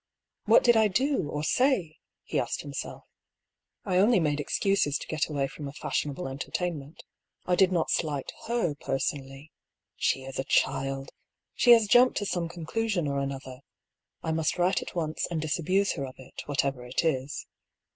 " What did I do, or say ?" he asked himself. " I only made excuses to get away from a fashionable en tertainment. I did not slight her personally. She is a child I She has jumped to some conclusion or another — I must write at once and disabuse her of it, whatever it is."